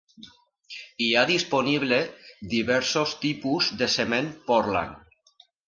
Hi ha disponible diversos tipus de cement Portland.